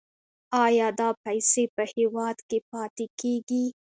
آیا دا پیسې په هیواد کې پاتې کیږي؟